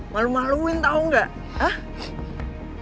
malu maluin tau gak